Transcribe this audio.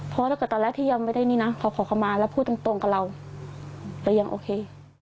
เพราะตอนแรกที่ยังไม่ได้นี่นะเขาขอขอมาแล้วพูดตรงกับเราเรียงโอเค